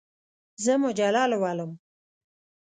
زه مجله لولم.